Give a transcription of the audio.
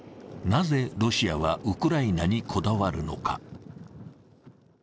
なぜロシアはウクライナにこだわるのか。